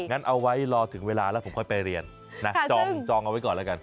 งั้นเอาไว้รอถึงเวลาแล้วผมค่อยไปเรียนนะจองเอาไว้ก่อนแล้วกัน